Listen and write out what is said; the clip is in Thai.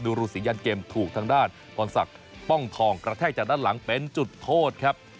รูสียันเกมถูกทางด้านพรศักดิ์ป้องทองกระแทกจากด้านหลังเป็นจุดโทษครับ